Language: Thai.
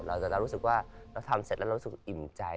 เราจะรู้สึกว่าเราทำเสร็จแล้วเรารู้สึกอิ่มใจ